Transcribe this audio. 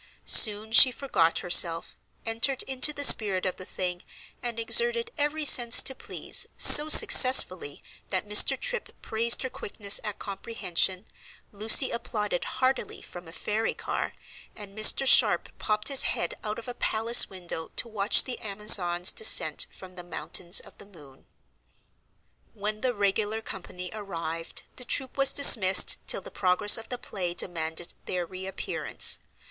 Soon she forgot herself, entered into the spirit of the thing, and exerted every sense to please, so successfully that Mr. Tripp praised her quickness at comprehension, Lucy applauded heartily from a fairy car, and Mr. Sharp popped his head out of a palace window to watch the Amazon's descent from the Mountains of the Moon. When the regular company arrived, the troop was dismissed till the progress of the play demanded their reappearance.